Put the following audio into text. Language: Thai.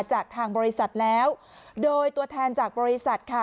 จากทางบริษัทแล้วโดยตัวแทนจากบริษัทค่ะ